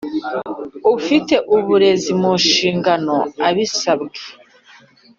Ufite uburezi mu nshingano abisabwe